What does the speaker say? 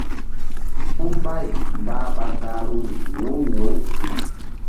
Puh mbay mbah ɓa gahruri yi̧w yi̧w.